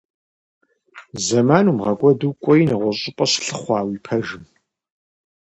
Зэман умыгъэкӀуэду, кӀуэи нэгъуэщӀ щӀыпӀэ щылъыхъуэ а уи пэжым.